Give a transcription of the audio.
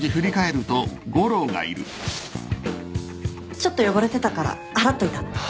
ちょっと汚れてたから払っといた。